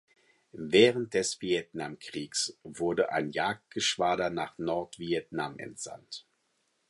Während des Vietnamkriegs wurde ein Jagdgeschwader nach Nordvietnam entsandt.